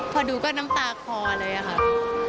พอดูก็น้ำตาคลอเลยอะค่ะ